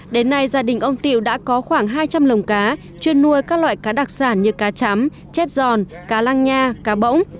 đến nay gia đình ông tiểu đã có khoảng hai trăm linh lồng cá chuyên nuôi các loại cá đặc sản như cá chấm chép giòn cá lăng nha cá bỗng